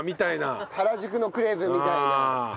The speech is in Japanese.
原宿のクレープみたいな。